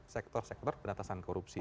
sektor sektor penatasan korupsi